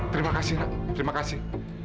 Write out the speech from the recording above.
terima kasih nak terima kasih